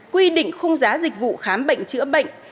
quy định khung giá dịch vụ khám bệnh chữa bệnh